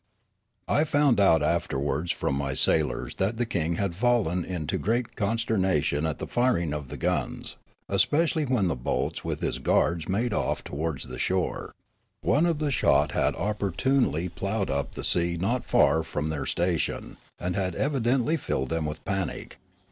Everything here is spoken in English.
I found out afterwards from my sailors that the king had fallen into great consternation at the firing of the guns, especially when the boats with his guards made off towards the shore. One of the shot had opportunely ploughed up the sea not far from their station and had evidently filled them with panic.